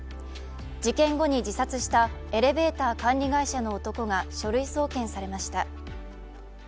事件後に自殺したエレベーター管理会社の男が書類送検されました。